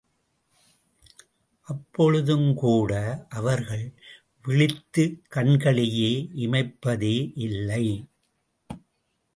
அப்பொழுதுங்கூட, அவர்கள் விழித்த கண்களை இமைப்பதே இல்லை.